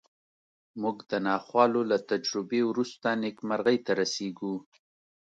موږ د ناخوالو له تجربې وروسته نېکمرغۍ ته رسېږو